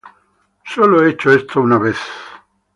Sólo he hecho esto una vez.